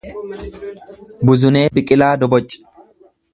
Buzunee Biqilaa Doboc